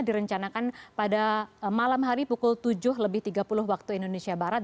direncanakan pada malam hari pukul tujuh lebih tiga puluh waktu indonesia barat